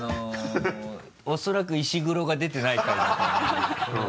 おそらく石黒が出てない回だと思う。